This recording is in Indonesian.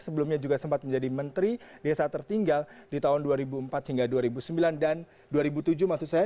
sebelumnya juga sempat menjadi menteri desa tertinggal di tahun dua ribu empat hingga dua ribu sembilan dan dua ribu tujuh maksud saya